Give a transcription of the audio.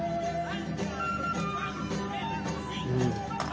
うん。